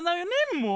もう！